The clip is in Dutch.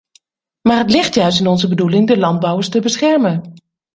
Maar het ligt juist in onze bedoeling de landbouwers te beschermen!